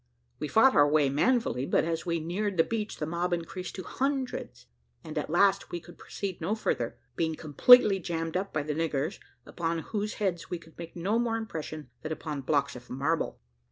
We fought our way manfully, but as we neared the beach the mob increased to hundreds, and at last we could proceed no further, being completely jammed up by the niggers, upon whose heads we could make no more impression than upon blocks of marble.